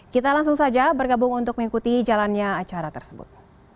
kita langsung saja bergabung untuk mengikuti jalannya acara tersebut